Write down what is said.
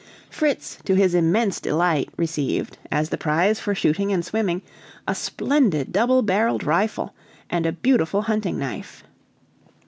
Fritz, to his immense delight, received, as the prize for shooting and swimming, a splendid double barreled rifle, and a beautiful hunting knife.